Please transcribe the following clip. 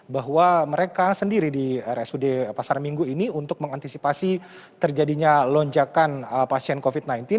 bahwa mereka sendiri di rsud pasar minggu ini untuk mengantisipasi terjadinya lonjakan pasien covid sembilan belas